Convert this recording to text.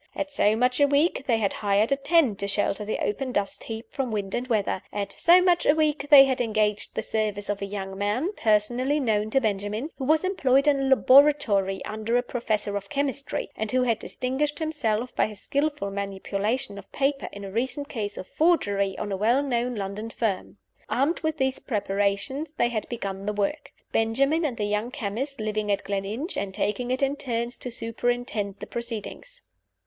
At so much a week, they had hired a tent to shelter the open dust heap from wind and weather. At so much a week, they had engaged the services of a young man (personally known to Benjamin), who was employed in a laboratory under a professor of chemistry, and who had distinguished himself by his skillful manipulation of paper in a recent case of forgery on a well known London firm. Armed with these preparations, they had begun the work; Benjamin and the young chemist living at Gleninch, and taking it in turns to superintend the proceedings.